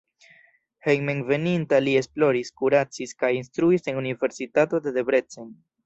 Hejmenveninta li esploris, kuracis kaj instruis en universitato de Debrecen.